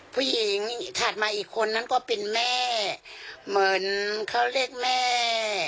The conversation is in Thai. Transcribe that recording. ผู้หญิงถัดมาอีกคนนั้นก็เป็นแม่เหมือนเขาเรียกแม่